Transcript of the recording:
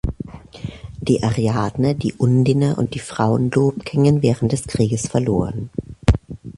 Die "Ariadne", die "Undine" und die "Frauenlob" gingen während des Krieges verloren.